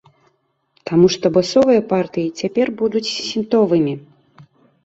Таму што басовыя партыі цяпер будуць сінтовымі.